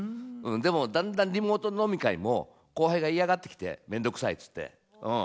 でも、だんだんリモート飲み会も、後輩が嫌がってきて、めんどくさいつって。